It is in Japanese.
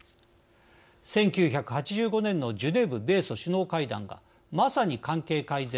１９８５年のジュネーブ米ソ首脳会談がまさに関係改善